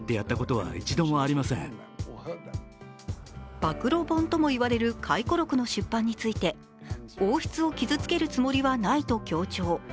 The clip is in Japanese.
暴露本とも言われる回顧録の出版について王室を傷つけるつもりはないと強調。